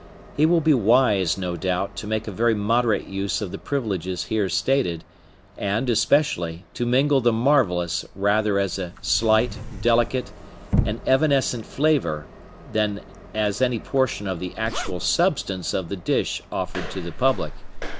He will be wise, no doubt, to make a very moderate use of the privileges here stated, and, especially, to mingle the Marvelous rather as a slight, delicate, and evanescent flavor, than as any portion of the actual substance of the dish offered to the public.